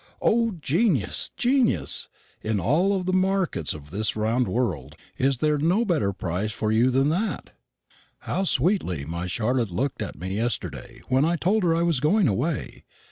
O genius, genius! in all the markets of this round world is there no better price for you than that? How sweetly my Charlotte looked at me yesterday, when I told her I was going away!